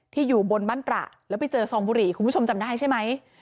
อยู่บนบ้านตระแล้วไปเจอซองบุหรี่คุณผู้ชมจำได้ใช่ไหม